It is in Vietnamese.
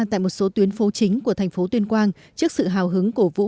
tại một số tuyến phố chính của thành phố tuyên quang trước sự hào hứng cổ vũ